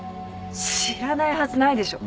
知らないはずないでしょ。